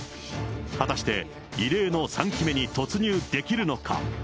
果たして異例の３期目に突入できるのか。